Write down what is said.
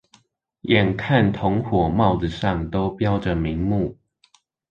眼看同夥帽子上都標著名目